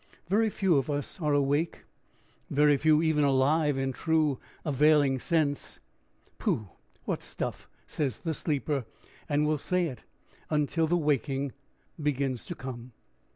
Very few of us are awake, very few even alive in true, availing sense. "Pooh! what stuff!" says the sleeper, and will say it until the waking begins to come.